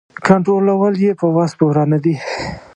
کنټرولول یې په وس پوره نه دي.